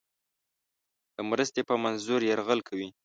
د مرستې په منظور یرغل کوي.